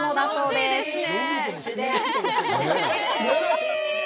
楽しいですね！